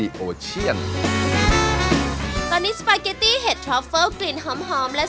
ทรัพย์ออกเชียนตอนนี้สปาเก็ตตี้ฮัดธรอฟเฟิลว์กลิ่นหอมฮอร์มและ